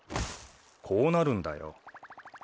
こうなるんだよ。